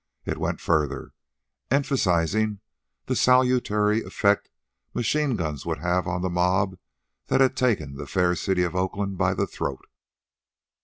It went further, emphasizing the salutary effect machine guns would have on the mob that had taken the fair city of Oakland by the throat.